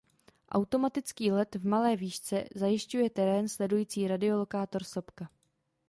Automatický let v malé výšce zajišťuje terén sledující radiolokátor Sopka.